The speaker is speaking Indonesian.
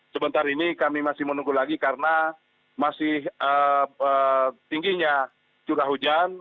sebentar ini kami masih menunggu lagi karena masih tingginya curah hujan